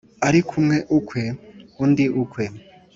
ariko umwe ukwe, undi ukwe